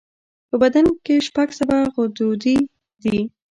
په بدن شپږ سوه غدودي دي.